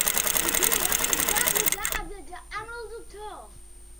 Maxwell es va negar a viatjar amb el doctor.